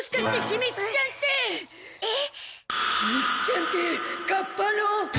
ひみつちゃんってカッパの。